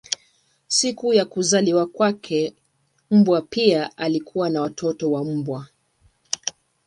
Siku ya kuzaliwa kwake mbwa pia alikuwa na watoto wa mbwa.